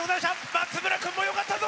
松村君もよかったぞ！